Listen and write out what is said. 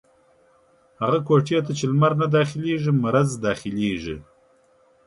هغي کوټې ته چې لمر نه داخلېږي ، مرض دا خلېږي.